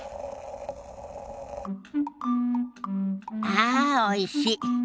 ああおいし。